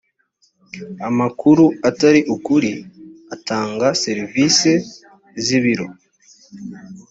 amakuru atari ukuri utanga serivisi z ibiro